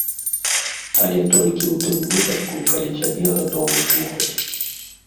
Але толькі ў тым выпадку, калі цябе гатовы слухаць.